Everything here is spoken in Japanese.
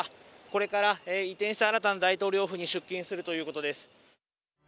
これから移転した新たな大統領府に出勤するということです。